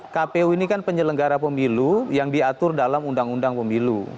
kpu ini kan penyelenggara pemilu yang diatur dalam undang undang pemilu